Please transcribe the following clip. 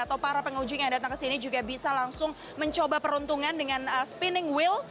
atau para pengunjung yang datang ke sini juga bisa langsung mencoba peruntungan dengan spinning will